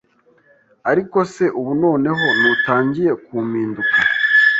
Ariko se ubu noneho ntutangiye kumpinduka